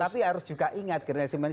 tapi harus juga ingat generasi muda